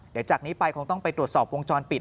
เดี๋ยวจากนี้ไปคงต้องไปตรวจสอบวงจรปิด